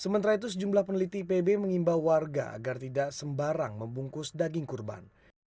sementara itu sejumlah peneliti ipb mengimbau warga agar tidak sembarang membungkus daging kurban